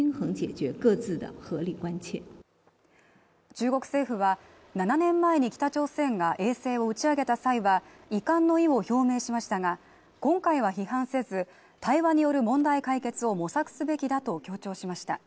中国政府は７年前に北朝鮮が衛星を打ち上げた際は遺憾の意を表明しましたが、今回は批判せず、対話による問題解決を模索すべきだと強調しました。